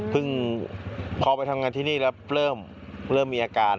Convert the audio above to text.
พอไปทำงานที่นี่แล้วเริ่มมีอาการ